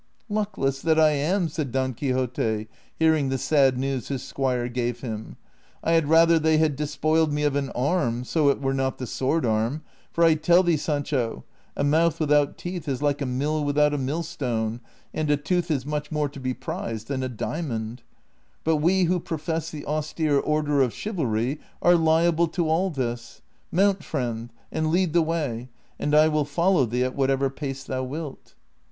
" Luckless that I am I " said Don Quixote, hearing the sad news his squire gave him ;" I had rather they had despoiled me of an arm, so it were not the sword arm ; for I tell thee, Sancho, a mouth without teeth is like a mill without a mill stone, and a tooth is much more to be prized than a diamond ; but we who profess the austere order of chivalry are liable to all this. Mount, friend, and lead the way, and I will follow thee at whatever pace thou wilt."